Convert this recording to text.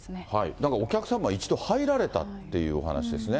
なんかお客さんが一度入られたというお話ですね。